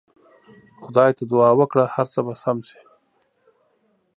خدای ته دعا وکړه هر څه به سم سي.